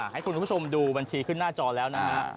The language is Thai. ให้คุณผู้ชมดูบัญชีขึ้นหน้าจอแล้วนะฮะ